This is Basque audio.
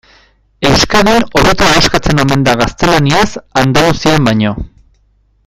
Euskadin hobeto ahoskatzen omen da gaztelaniaz Andaluzian baino.